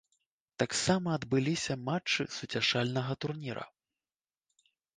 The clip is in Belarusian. Таксама адбыліся мачты суцяшальнага турніра.